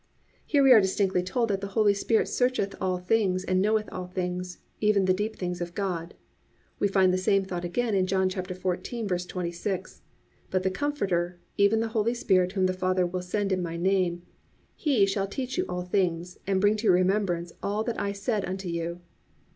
"+ Here we are distinctly told that the Holy Spirit searcheth all things and knoweth all things, even the deep things of God. We find the same thought again in John 14:26: +"But the Comforter, even the Holy Spirit, whom the Father will send in my name, He shall teach you all things, and bring to your remembrance all that I said unto you."